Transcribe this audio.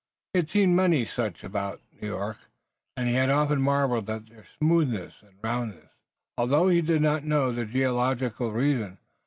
He had seen many such about New York, and he had often marveled at their smoothness and roundness, although he did not yet know the geological reason.